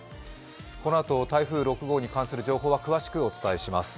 このあと台風６号に関する情報は詳しくお伝えします。